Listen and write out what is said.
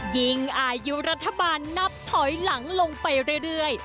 ยิ่งอายุรัฐบาลนับถอยหลังลงไปเรื่อย